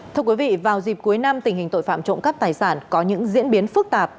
thưa quý vị vào dịp cuối năm tình hình tội phạm trộm cắp tài sản có những diễn biến phức tạp